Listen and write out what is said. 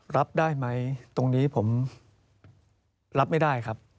รับได้ไหมตรงนี้ผมรับไม่ได้ครับ